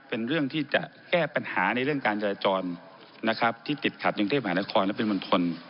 เป็นเรื่องที่จะแก้ปัญหาในเรื่องการจราจรนะครับที่ติดขัดกรุงเทพหานครและเป็นมณฑล